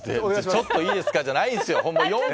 ちょっといいですかじゃないんですよ。